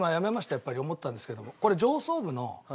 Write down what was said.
やっぱり思ったんですけども。